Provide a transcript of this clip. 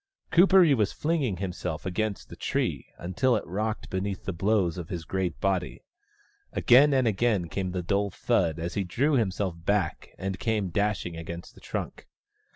Kuperee was flinging himself against the tree, until it rocked beneath the blows of his great body. Again and again came the dull thud as he drew himself back and came dashing against the trunk.